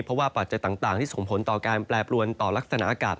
เพราะว่าปัจจัยต่างที่ส่งผลต่อการแปรปรวนต่อลักษณะอากาศ